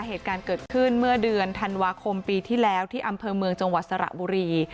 เหตุการณ์เกิดขึ้นเมื่อเดือนธันวาคมปีที่แล้วที่อำเภอเมืองจังหวัดสระบุรี